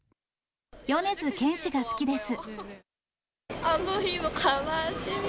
米津玄師が好きです。